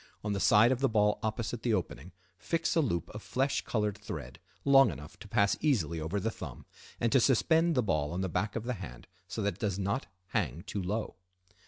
On the side of the ball opposite the opening fix a loop of flesh colored thread, long enough to pass easily over the thumb, and to suspend the ball on the back of the hand so that it does not hang too low.